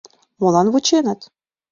Молан вученыт?